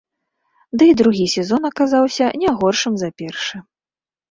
Ды і другі сезон аказаўся не горшым за першы.